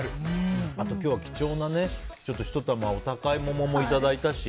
あと今日は貴重な１玉お高い桃もいただいたし。